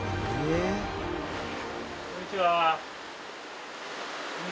こんにちは。